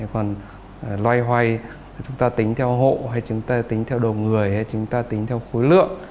còn loay hoay chúng ta tính theo hộ hay chúng ta tính theo đầu người hay chúng ta tính theo khối lượng